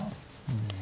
うん。